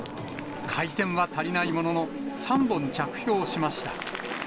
回転は足りないものの、３本着氷しました。